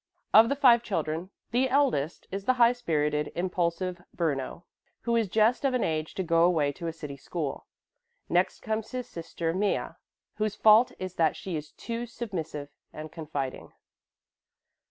Of the five children the eldest is the high spirited, impulsive Bruno, who is just of an age to go away to a city school. Next comes his sister Mea, whose fault is that she is too submissive and confiding.